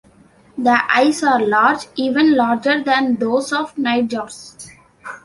The eyes are large, even larger than those of nightjars.